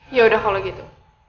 yaudah kalau gitu